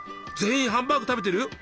全員ハンバーグ食べてる？